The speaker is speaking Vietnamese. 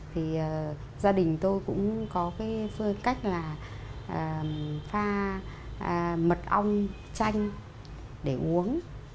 thì gia đình tôi cũng có cái phương cách là pha mật ong chanh để uống